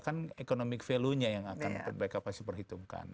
kan economic value nya yang akan mereka pasti perhitungkan